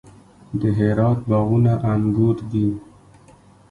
د هرات باغونه انګور دي